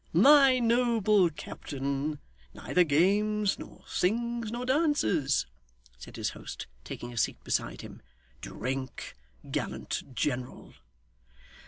'My noble captain neither games, nor sings, nor dances,' said his host, taking a seat beside him. 'Drink, gallant general!